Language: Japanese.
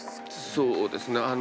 そうですね。